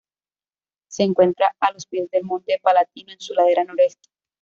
Se encuentra a los pies del Monte Palatino, en su ladera noroeste.